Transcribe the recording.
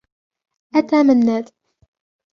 أتى منّاد.